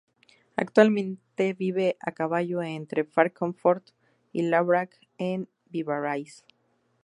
Actualmente vive a caballo entre Fráncfort y Laurac-en-Vivarais.